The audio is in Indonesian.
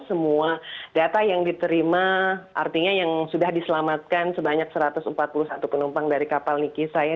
semua data yang diterima artinya yang sudah diselamatkan sebanyak satu ratus empat puluh satu penumpang dari kapal niki saya